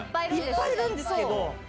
いっぱいいるんですけど。